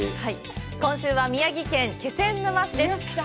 今週は宮城県気仙沼市です。